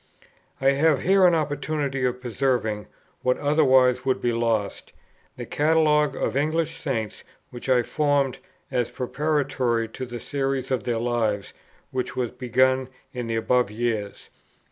I have here an opportunity of preserving, what otherwise would be lost, the Catalogue of English Saints which I formed, as preparatory to the Series of their Lives which was begun in the above years.